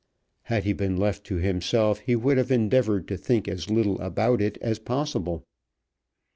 Had he been left to himself he would have endeavoured to think as little about it as possible.